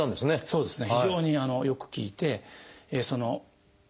そうですか。